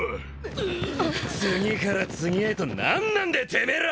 次から次へと何なんでぇてめえら！